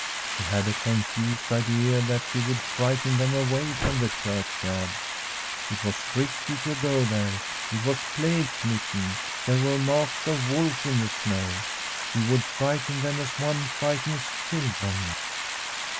She had a confused idea that she would frighten them away from the churchyard; it was risky to go there ; it was plague smitten ; there were marks of a wolf in the snow ; she would frighten them as one frightens children.